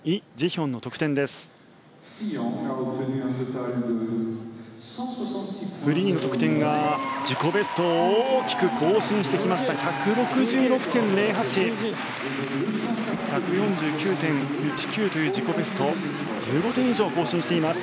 フリーの得点は自己ベストを大きく更新して１６６．０８。１４９．１９という自己ベストを１５点以上更新しています。